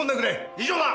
以上だ。